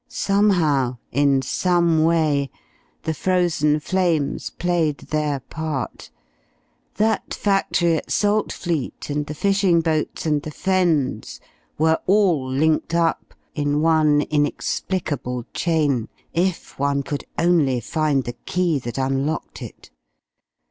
Somehow, in some way, the Frozen Flames played their part. That factory at Saltfleet and the fishing boats and the Fens were all linked up in one inexplicable chain, if one could only find the key that unlocked it.